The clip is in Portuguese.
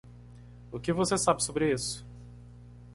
O que você sabe sobre isso?